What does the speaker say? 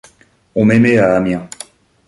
On m'aimait à Amiens.